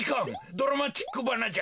ドラマチックばなじゃ！